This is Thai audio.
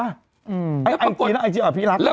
อืมแล้วปรากฏไอจียาอภิรักษ์ใช่ไหม